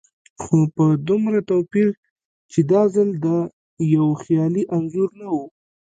خو په دومره توپير چې دا ځل دا يو خيالي انځور نه و.